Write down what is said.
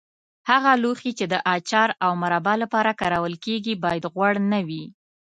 هغه لوښي چې د اچار او مربا لپاره کارول کېږي باید غوړ نه وي.